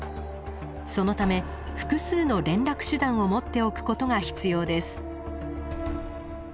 そのため複数の連絡手段を持っておくことが必要です。